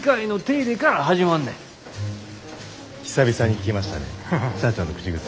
久々に聞けましたね社長の口癖。